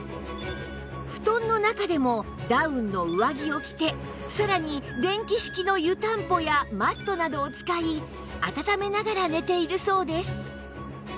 布団の中でもダウンの上着を着てさらに電気式の湯たんぽやマットなどを使い暖めながら寝ているそうです